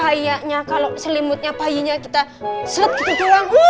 kayaknya kalau selimutnya payinya kita selet gitu doang